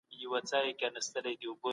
قدرت د سياست د ماشين تېل دي.